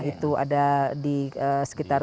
itu ada di sekitar